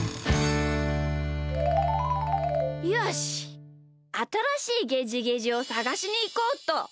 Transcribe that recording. あたらしいゲジゲジをさがしにいこうっと。